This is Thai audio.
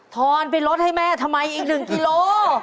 ออนไปลดให้แม่ทำไมอีก๑กิโล